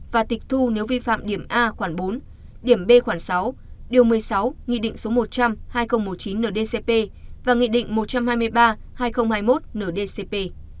và tịch thu nếu vi phạm điểm a khoảng bốn điểm b khoảng sáu điều một mươi sáu nghị định số một trăm linh hai nghìn một mươi chín ndcp và nghị định một trăm hai mươi ba hai nghìn hai mươi một ndcp